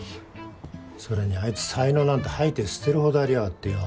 それにあいつ才能なんて掃いて捨てるほどありやがってよ